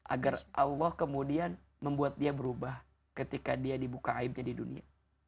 agar allah kemudian membuat dia berubah ketika dia dibuka aibnya di dunia